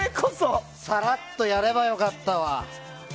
さらっとやればよかったわ。